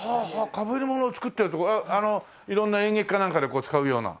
かぶりものを作ってるって事色んな演劇かなんかで使うような。